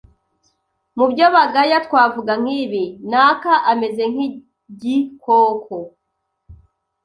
Mu byo bagaya twavuga nk’ibi: naka ameze nk’igikoko